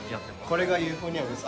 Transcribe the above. これがユーフォニアムです。